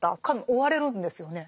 追われるんですよね。